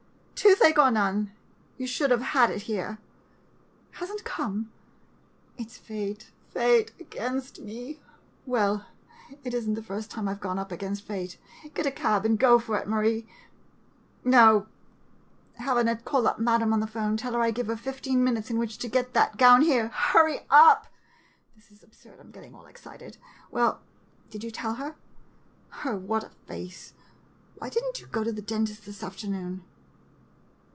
Toothache, or none, you should have had it here. Has n't come ? It 's fate — fate against me ! Well, it is n't the first time I 've gone up against fate. Get a cab, and go for it, Marie. No 15 MODERN MONOLOGUES — have Annette call up Madam on the phone — tell her I give her fifteen minutes in which to get that gown here. Hurry up! This is absurd, I 'm getting all excited. Well — did you tell her? Come along, then, and do my hair. Oh, what a face !— why did n't you go to the dentist this afternoon?